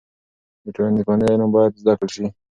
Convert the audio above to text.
د ټولنپوهنې علم باید زده کړل سي.